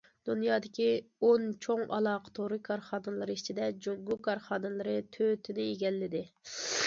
دۇنيادىكى ئون چوڭ ئالاقە تورى كارخانىلىرى ئىچىدە، جۇڭگو كارخانىلىرى تۆتىنى ئىگىلىدى.